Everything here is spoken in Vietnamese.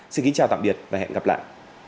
xin kính chào tạm biệt và hẹn gặp lại